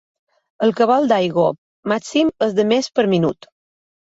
El cabal d'aigua màxim és de més per minut.